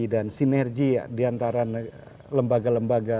dan sinergi diantara lembaga lembaga